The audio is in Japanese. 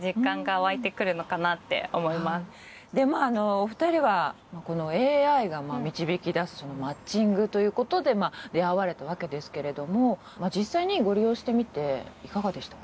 お二人はＡＩが導き出すマッチングということで出会われたわけですけれども実際にご利用してみていかがでしたか？